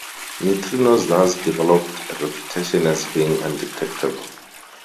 Neutrinos thus developed a reputation as being undetectable.